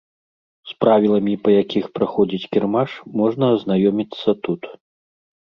З правіламі, па якіх праходзіць кірмаш, можна азнаёміцца тут.